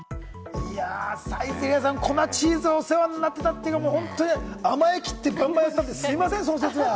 サイゼリヤさん、粉チーズお世話になったというのも、甘えきって、ばんばんやって、すみません、その節は。